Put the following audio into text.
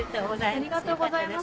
ありがとうございます。